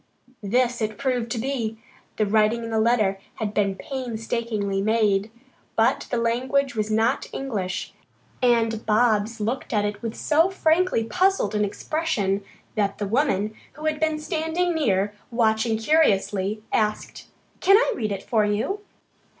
This it proved to be. The writing in the letter had been painstakingly made, but the language was not English, and Bobs looked at it with so frankly puzzled an expression that the woman, who had been standing near, watching curiously, asked: "Can I read it for you?"